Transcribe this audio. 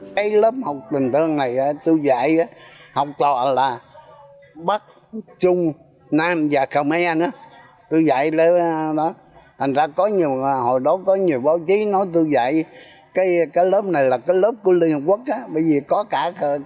cái lớp học tình thương này tôi dạy học to là